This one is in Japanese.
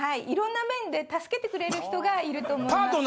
いろんな面で助けてくれる人がいると思います。